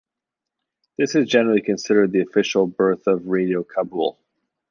This is generally considered the official birth of Radio Kabul.